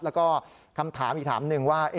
แล้วก็คำถามอีกถามหนึ่งว่า